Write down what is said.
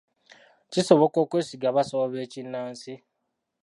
Kisoboka okwesiga abasawo b'ekinnansi?